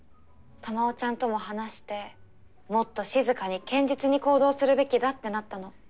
珠緒ちゃんとも話してもっと静かに堅実に行動するべきだってなったの。